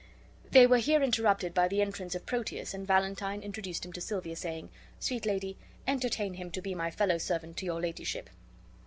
They were here interrupted by the entrance of Proteus, and Valentine introduced him to Silvia, saying, "Sweet lady, entertain him to be my fellow servant to your ladyship."